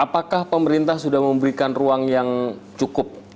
apakah pemerintah sudah memberikan ruang yang cukup